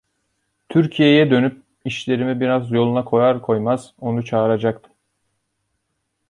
Türkiye'ye dönüp işlerimi biraz yoluna koyar koymaz onu çağıracaktım.